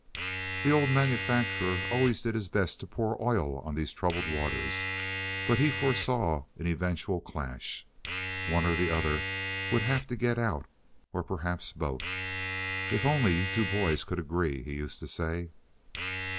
The old manufacturer always did his best to pour oil on these troubled waters, but he foresaw an eventual clash. One or the other would have to get out or perhaps both. "If only you two boys could agree!" he used to say.